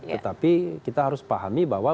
tetapi kita harus pahami bahwa